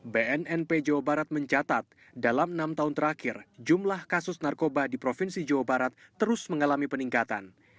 bnnp jawa barat mencatat dalam enam tahun terakhir jumlah kasus narkoba di provinsi jawa barat terus mengalami peningkatan